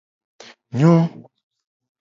Nyo.